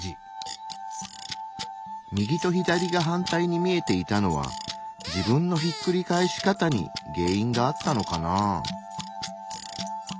右と左が反対に見えていたのは自分のひっくり返し方に原因があったのかなあ。